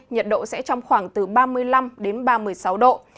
nhiệt độ sẽ trong khoảng từ ba mươi năm đến ba mươi sáu độ